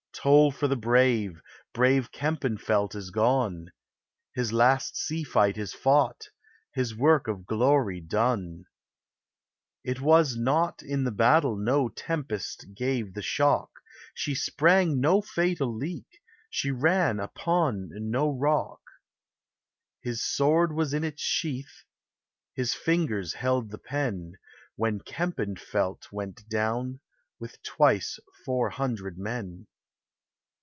Toll for the brave! Brave Kempenfelt is gone; His last sea fight is fought, His work of glory done. It was not in the battle; No tempest gave the shock; She sprang no fatal leak; She ran upon no rock. His sword was in its sheath, His fingers held the pen, When Kempenfelt went down With twice four hundred men.